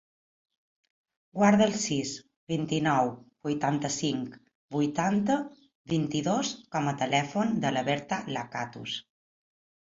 Guarda el sis, vint-i-nou, vuitanta-cinc, vuitanta, vint-i-dos com a telèfon de la Berta Lacatus.